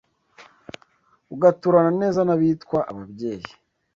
Ugaturana neza N’abitwa ababyeyi!